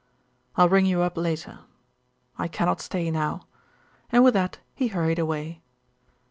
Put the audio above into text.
I'll ring you up later. I cannot stay now." And with that he hurried away.